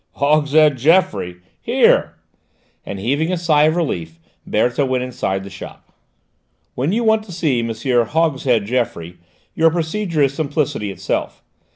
"Hogshead Geoffroy? Here!" and heaving a sigh of relief Berthe went inside the shop. When you want to see M. "Hogshead" Geoffroy, your procedure is simplicity itself.